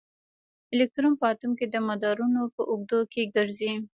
الکترون په اټوم کې د مدارونو په اوږدو کې ګرځي.